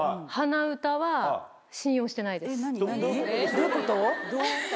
どういうことです？